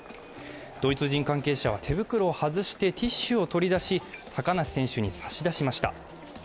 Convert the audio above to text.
ドイツ人関係者は手袋を外してティッシュを取り出し、高梨選手に差し出しました。